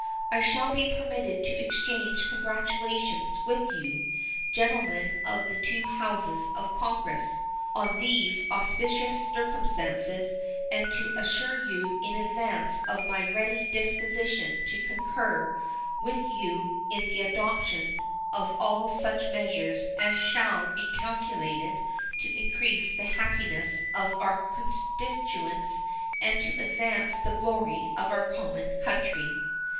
I shall be permitted to exchange congratulations with you, gentlemen of the two Houses of Congress, on these auspicious circumstances, and to assure you in advance of my ready disposition to concur with you in the adoption of all such measures as shall be calculated to increase the happiness of our constituents and to advance the glory of our common country.